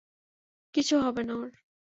কিছু হবে না ওর।